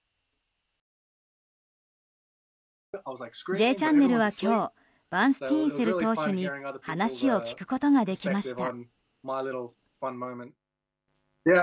「Ｊチャンネル」は今日バンスティーンセル投手に話を聞くことができました。